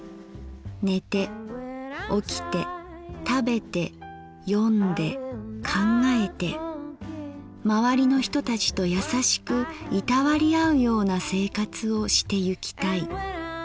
寝て起きて食べて読んで考えてまわりの人たちと優しくいたわり合うような生活をしてゆきたい」。